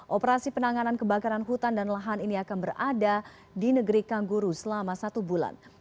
operasi penanganan kebakaran hutan dan lahan ini akan berada di negeri kangguru selama satu bulan